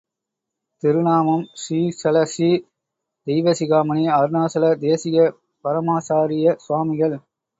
திருநாமம் ஸ்ரீலஸ்ரீ தெய்வசிகாமணி அருணாசல தேசிக பரமாசாரிய சுவாமிகள்.